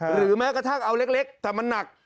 หรือแม้กระทั่งเอาเล็กแต่มันหนัก